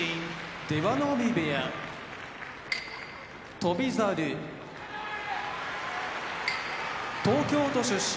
出羽海部屋翔猿東京都出身